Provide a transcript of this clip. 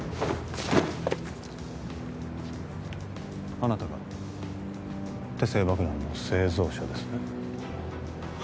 あなたが手製爆弾の製造者ですね。